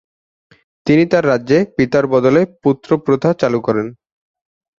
তিনি তার রাজ্যে পিতার বদলে পুত্র প্রথা চালু করেন।